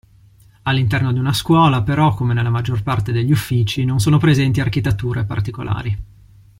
All'interno di una scuola però, come nella maggior parte degli uffici, non sono presenti architetture particolari.